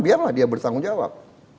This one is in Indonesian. biarlah dia bertanggung jawab